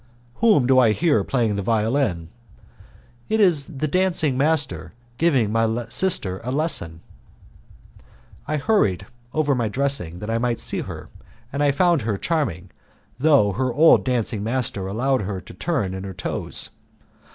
"Whom do I hear playing the violin?" "It's the dancing master giving my sister a lesson." I hurried over my dressing that I might see her; and I found her charming, though her old dancing master allowed her to turn in her toes.